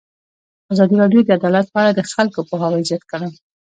ازادي راډیو د عدالت په اړه د خلکو پوهاوی زیات کړی.